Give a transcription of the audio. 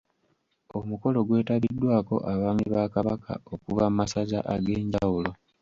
Omukolo gwetabiddwako abaami ba Kabaka okuva mu masaza ag’enjawulo.